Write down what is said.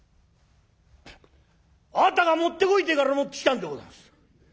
「あなたが持ってこいって言うから持ってきたんでございます。